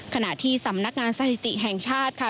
ขณะที่สำนักงานสถิติแห่งชาติค่ะ